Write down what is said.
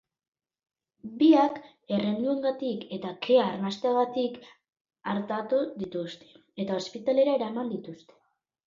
Biak erredurengatik eta kea arnasteagatik artatu dituzte, eta ospitalera eraman dituzte.